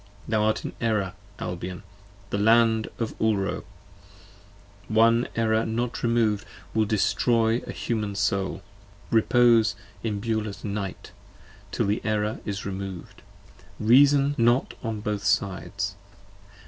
10 Thou art in Error, Albion, the Land of Ulro: One Error not remov'd, will destroy a human Soul. Repose in Beulah's night, till the Error is remov'd: Reason not on both sides.